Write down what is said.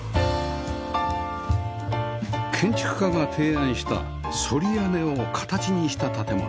建築家が提案した反り屋根を形にした建物